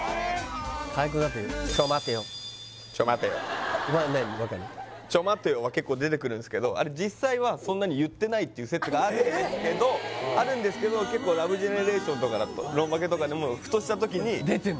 河合くんだってちょ待てよちょ待てよは結構出てくるんすけどあれっていう説があるんですけどあるんですけど結構「ラブジェネレーション」とか「ロンバケ」とかでもふとした時に出てんの？